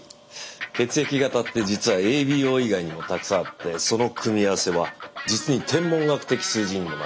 血液型って実はＡＢＯ以外にもたくさんあってその組み合わせは実に天文学的数字にもなるんです。